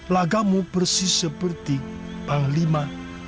lagamu persis seperti panglima